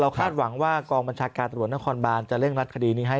คาดหวังว่ากองบัญชาการตรวจนครบานจะเร่งรัดคดีนี้ให้